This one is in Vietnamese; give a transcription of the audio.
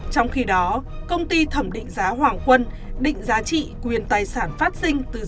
trong khi đó công ty thẩm định giá hoàng quân định giá trị quyền tài sản phát sinh từ